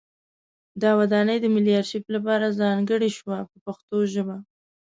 دا ودانۍ د ملي ارشیف لپاره ځانګړې شوه په پښتو ژبه.